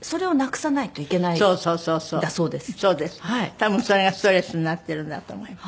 多分それがストレスになってるんだと思います。